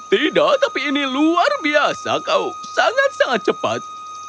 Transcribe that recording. tidak tapi ini luar biasa kau sangat sangat cepat